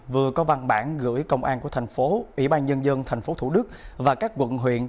vừa có văn bản gửi công an của thành phố ủy ban nhân dân tp thủ đức và các quận huyện